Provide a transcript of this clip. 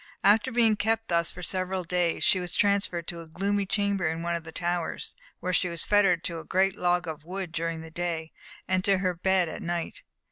After being kept thus for several days, she was transferred to a gloomy chamber in one of the towers, where she was fettered to a great log of wood during the day, and to her bed at night.